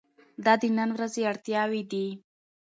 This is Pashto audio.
دا د نن ورځې اړتیاوې دي.